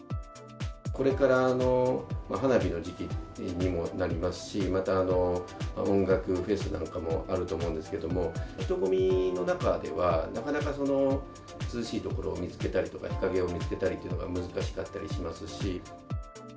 これから花火の時期にもなりますし、また音楽フェスなんかもあると思うんですけども、人ごみの中では、なかなか涼しい所を見つけたりとか、日陰を見つけたりというのが難しかったりしますし。